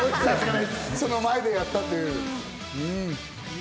その前でやったという。